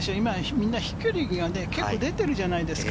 みんな飛距離が結構、出てるじゃないですか。